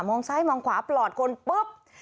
งซ้ายมองขวาปลอดคนปุ๊บ